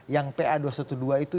yang pa dua ratus dua belas itu